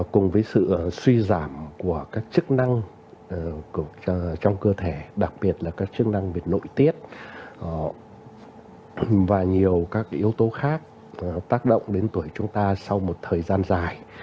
cùng với sự suy giảm của các chức năng trong cơ thể đặc biệt là các chức năng về nội tiết và nhiều các yếu tố khác tác động đến tuổi chúng ta sau một thời gian dài